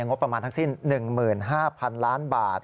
งบประมาณทั้งสิ้น๑๕๐๐๐ล้านบาท